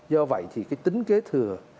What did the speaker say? do vậy thì cái tính kế thừa